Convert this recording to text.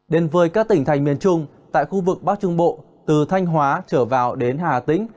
đến với các tỉnh thành miền trung tại khu vực bắc trung bộ từ thanh hóa trở vào đến hà tĩnh